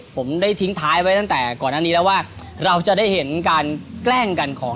ผมได้ทิ้งท้ายไว้ตั้งแต่ก่อนอันนี้แล้วว่าเราจะได้เห็นการแกล้งกันของ